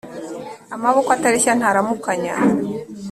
Amaboko atareshya ntaramukanya.